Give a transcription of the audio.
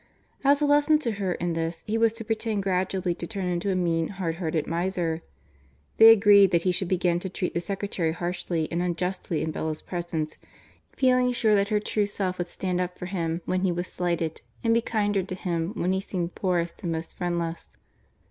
As a lesson to her in this he was to pretend gradually to turn into a mean, hard hearted miser. They agreed that he should begin to treat the secretary harshly and unjustly in Bella's presence, feeling sure that her true self would stand up for him when he was slighted, and be kinder to him when he seemed poorest and most friendless.